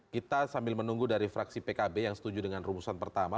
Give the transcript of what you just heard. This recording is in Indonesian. kita sambil menunggu dari fraksi pkb yang setuju dengan rumusan pertama